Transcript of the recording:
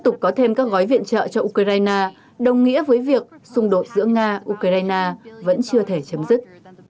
tiếp tục có thêm các gói viện trợ cho ukraine đồng nghĩa với việc xung đột giữa nga ukraine vẫn chưa thể chấm dứt